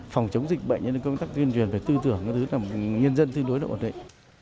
phòng chống dịch bệnh nên công tác tuyên truyền phải tư tưởng cái thứ là nhân dân tư đối độn đấy